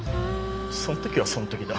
そん時はそん時だ